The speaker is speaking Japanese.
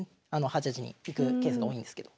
８八に行くケースが多いんですけど。